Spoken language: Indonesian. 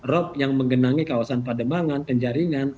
rop yang menggenangi kawasan pademangan penjaringan